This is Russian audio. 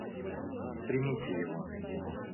Примите его.